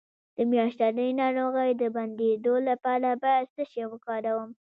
د میاشتنۍ ناروغۍ د بندیدو لپاره باید څه شی وکاروم؟